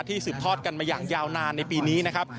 สืบทอดกันมาอย่างยาวนานในปีนี้นะครับ